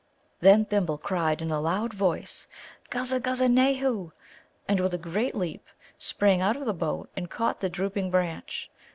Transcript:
Then Thimble cried in a loud voice, "Guzza guzza nahoo!" and, with a great leap, sprang out of the boat and caught the drooping branch.